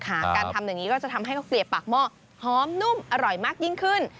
การทำอย่างนี้ก็จะทำให้ข้าวเกลียบปากหม้อหอมนุ่มอร่อยมากยิ่งขึ้น